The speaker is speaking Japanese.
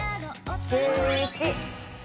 シューイチ。